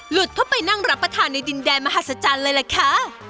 เข้าไปนั่งรับประทานในดินแดนมหาศจรรย์เลยล่ะค่ะ